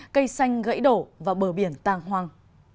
cây xanh gãy đổ và bờ biển tàng hoang